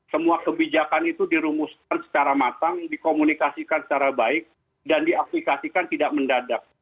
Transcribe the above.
semua kebijakan itu dirumuskan secara matang dikomunikasikan secara baik dan diaplikasikan tidak mendadak